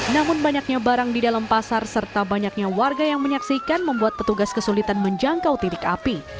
namun banyaknya barang di dalam pasar serta banyaknya warga yang menyaksikan membuat petugas kesulitan menjangkau titik api